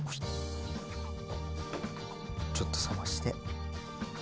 ちょっと冷まして。